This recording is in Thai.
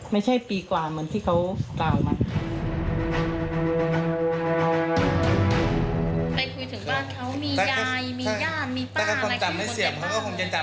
ไม่ใช่ปีกว่าเหมือนที่เขากล่าวมา